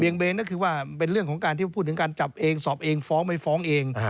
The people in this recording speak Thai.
เบนก็คือว่าเป็นเรื่องของการที่พูดถึงการจับเองสอบเองฟ้องไม่ฟ้องเอง